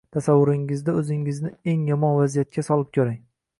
Tasavvuringizda o’zingizni eng yomon vaziyatga solib ko’ring